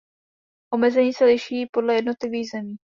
Omezení se liší podle jednotlivých zemí.